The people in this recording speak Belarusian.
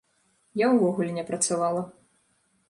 Я ўвогуле не працавала.